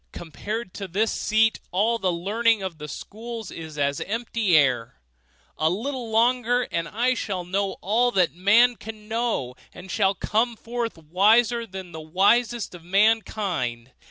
Compared to this seat, all the learning of the schools is as empty air. A little longer, and I shall know all that man can know, and shall come forth wiser than the wisest of mankind.